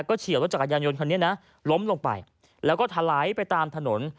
เฉียวรถจักรยานยนต์คันนี้นะล้มลงไปแล้วก็ทะไหลไปตามถนน